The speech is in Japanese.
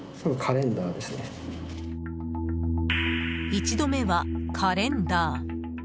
１度目はカレンダー。